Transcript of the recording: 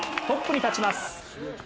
トップに立ちます。